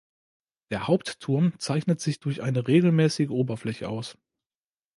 Der Hauptturm zeichnet sich durch eine regelmäßige Oberfläche aus.